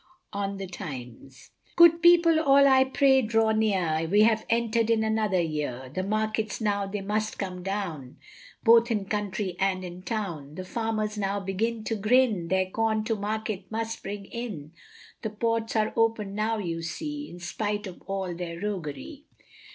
A NEW SONG ON THE TIMES. Good people all I pray draw near, We have entered in another year, The markets now they must come down, Both in country and in town; The farmers now begin to grin, Their corn to market must bring in, The ports are opened now you see, In spite of all their roguery.